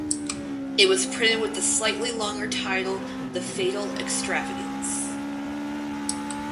It was printed with the slightly longer title The Fatal Extravagance.